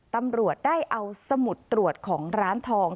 ตำรวจได้เอาสมุดตรวจของร้านทอง